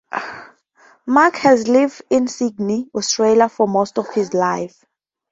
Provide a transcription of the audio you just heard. Mark has lived in Sydney, Australia for most of his life.